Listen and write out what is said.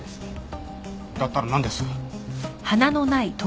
だったらなんです？